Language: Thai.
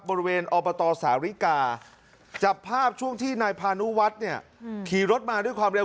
อบตสาวริกาจับภาพช่วงที่นายพานุวัฒน์เนี่ยขี่รถมาด้วยความเร็ว